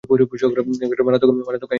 মারাত্মক কাহিনি কিন্তু!